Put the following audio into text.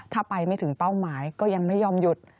ถ้าไปไม่ถึงเป้าหมายก็ยังไม่ยอมหยุด